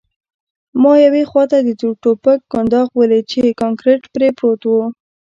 ما یوې خواته د ټوپک کنداغ ولید چې کانکریټ پرې پروت و